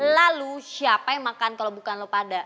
lalu siapa yang makan kalo bukan lo pada